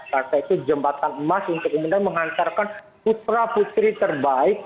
partai itu jembatan emas untuk menghantarkan putra putri terbaik